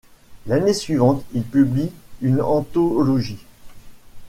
L'année suivante, il publie une anthologie.